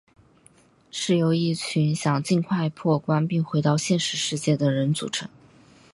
是由一群想尽快破关并回到现实世界的人组成。